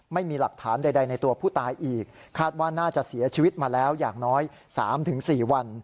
ไม่มีหลักฐานใดในตัวผู้ตายอีกคาดว่าน่าจะเสียชีวิตมาแล้วอย่างน้อย๓๔วัน